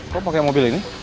kok pakai mobil ini